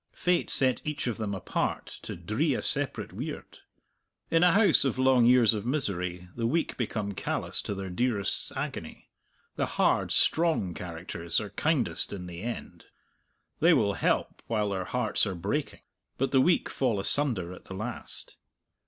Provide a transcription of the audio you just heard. Fate set each of them apart to dree a separate weird. In a house of long years of misery the weak become callous to their dearest's agony. The hard, strong characters are kindest in the end; they will help while their hearts are breaking. But the weak fall asunder at the last.